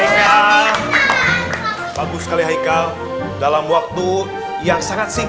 kalau sudah akan dapatkan dapat gambling